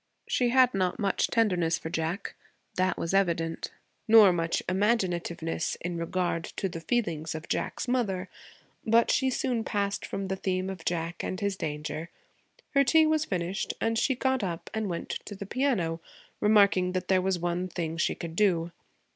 She had not much tenderness for Jack, that was evident, nor much imaginativeness in regard to the feelings of Jack's mother. But she soon passed from the theme of Jack and his danger. Her tea was finished and she got up and went to the piano, remarking that there was one thing she could do.